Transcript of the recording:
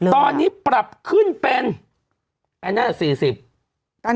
ตอนนี้ปรับขึ้นเป็น๔๐บาท